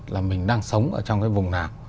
là mình đang sống trong cái vùng nào